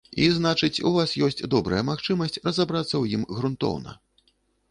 І, значыць, у вас ёсць добрая магчымасць разабрацца ў ім грунтоўна.